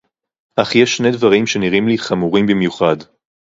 אך יש שני דברים שנראים לי חמורים במיוחד